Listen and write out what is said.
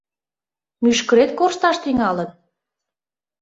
Мӱшкырет коршташ тӱҥалын...